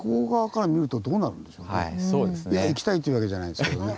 いや行きたいっていうわけじゃないですけどね。